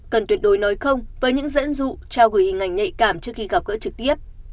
cần tuyệt đối nói không với những dẫn dụ trao gửi hình ảnh nhạy cảm trước khi gặp gỡ trực tiếp